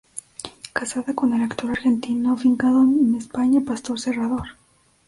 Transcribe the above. Casada con el actor argentino afincado en España Pastor Serrador.